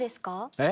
えっ？